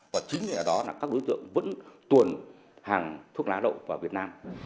và chính ở đó là các đối tượng vẫn tuồn hàng thuốc lá lậu vào việt nam